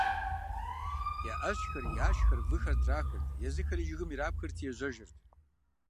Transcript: Я ӏэщэхэр, яшхэр, выхэр трахырт, езыхэри жыгым ирапхырти ежьэжырт.